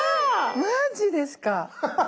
マジですか。